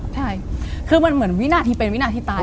ใช่คือมันเหมือนวินาทีเป็นวินาทีตาย